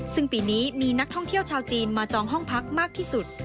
ซึ่งปีนี้มีนักท่องเที่ยวชาวจีนมาจองห้องพักมากที่สุด